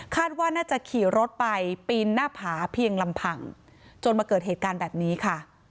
ว่าน่าจะขี่รถไปปีนหน้าผาเพียงลำพังจนมาเกิดเหตุการณ์แบบนี้ค่ะ